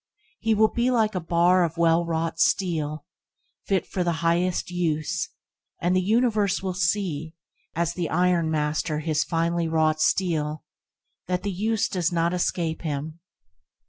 He will be like a bar of well wrought steel, fit for the highest use, and the universe will see, as the ironmaster his finely wrought steel, that the use does not escape him.